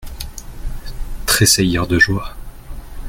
Tressaillir de joie.